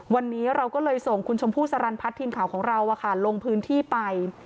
วันนี้เราก็เลยส่งคุณชมพู่สรรพัฒน์ทีมข่าวของเราลงพื้นที่ไป